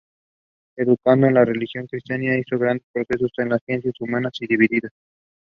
It is found in the stress granule of cells.